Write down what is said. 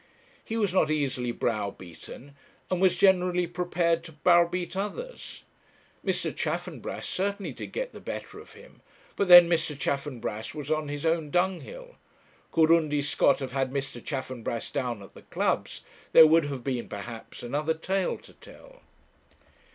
He was not easily browbeaten, and was generally prepared to browbeat others. Mr. Chaffanbrass certainly did get the better of him; but then Mr. Chaffanbrass was on his own dunghill. Could Undy Scott have had Mr. Chaffanbrass down at the clubs, there would have been, perhaps, another tale to tell.